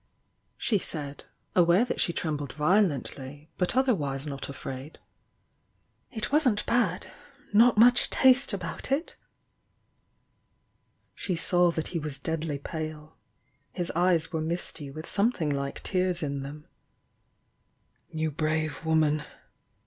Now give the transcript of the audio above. she said, aware that she trembled violent ly, but otherwise rot afraid: "It wasn't bad! Not much taste about it! " She 89W that he was deadly pale — his eyes were misty with something like tears in them. "ifou brave woman!"